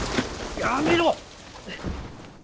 やめろ！